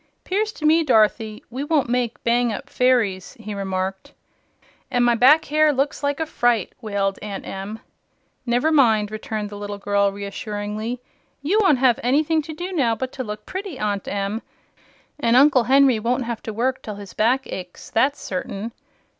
"'Pears to me, Dorothy, we won't make bang up fairies," he remarked. "An' my back hair looks like a fright!" wailed Aunt Em. "Never mind," returned the little girl, reassuringly. "You won't have anything to do now but to look pretty, Aunt Em; an' Uncle Henry won't have to work till his back aches, that's certain."